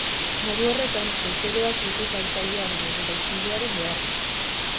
Modu horretan, bezeroak ez du saltzailearen edota ispiluaren beharrik.